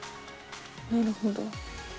なるほど。